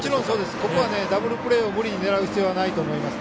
ここはダブルプレーを無理に狙う必要はないです。